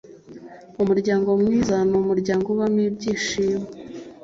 Umuryango mwiza numuryango ubamo ibyishimo